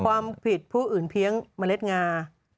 ความผิดผู้อื่นเพียงเมล็ดงา